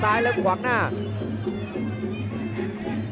จะเฉยด้วยมันอัมคัทแล้วหวังแข่งซ้ายตาม